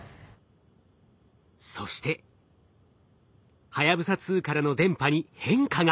そしてはやぶさ２からの電波に変化が。